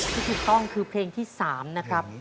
พี่พี่ก็คือเพลงที่๓นะครับ